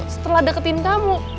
setelah deketin kamu